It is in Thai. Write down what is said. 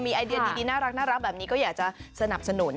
ไอเดียดีน่ารักแบบนี้ก็อยากจะสนับสนุน